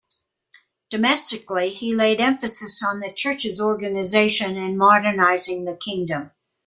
Domestically he laid emphasis on the church's organization and modernizing the kingdom.